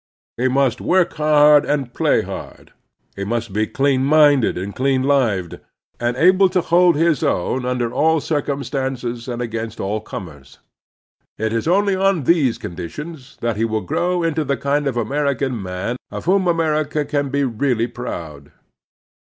He must work hard and play hard. He must be clear minded and clean lived, and able to hold his own under all circtmistances and against all comers. It is only on these conditions that he will grow into the kind of American man of whom America can be really proud.